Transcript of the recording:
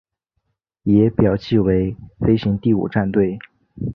也表记为飞行第五战队。